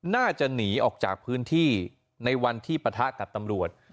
น่าจะหนีออกจากพื้นที่ในวันที่ปะทะกับตำรวจ